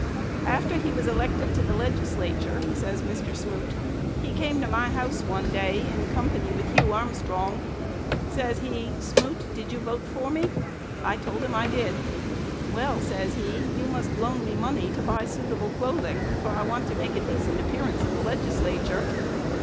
"After he was elected to the Legislature," says Mr. Smoot, "he came to my house one day in company with Hugh Armstrong. Says he, 'Smoot, did you vote for me?' I told him I did. 'Well,' says he, 'you must loan me money to buy suitable clothing, for I want to make a decent appearance in the Legislature.'